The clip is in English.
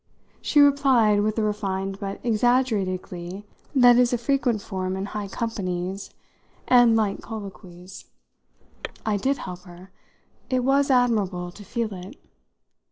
she replied with the refined but exaggerated glee that is a frequent form in high companies and light colloquies. I did help her it was admirable to feel it.